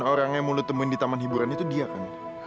dan orang yang mau lu temuin di taman hiburan itu dia kan